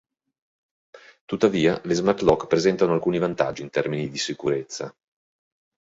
Tuttavia, le Smart Lock presentano alcuni vantaggi in termini di sicurezza.